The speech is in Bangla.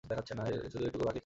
শুধু এইটুকু বাকি ছিল।